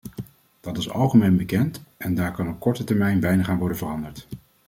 Dat is algemeen bekend, en daar kan op korte termijn weinig aan worden veranderd.